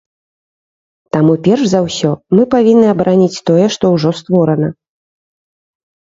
Таму перш за ўсё мы павінны абараніць тое, што ўжо створана.